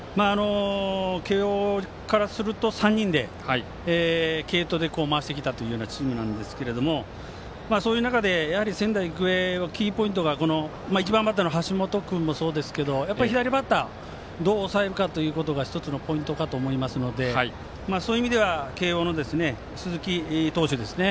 慶応からすると３人、継投で回してきたというチームですがそういう中で仙台育英のキーポイントは１番バッターの橋本君もそうですけど左バッターを、どう抑えるかがポイントかと思いますので慶応の鈴木投手ですね。